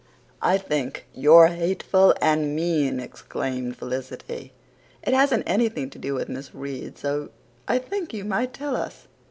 "I think you're hateful and mean," exclaimed Felicity. "It hasn't anything to do with Miss Reade, so I think you might tell us."